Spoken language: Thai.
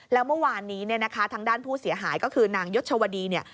แล้วเมื่อวานนี้เนี่ยนะคะทางด้านผู้เสียหายก็คือนางยศวดีเนี่ย